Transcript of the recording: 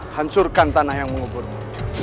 hancurkan tanah yang menguburmu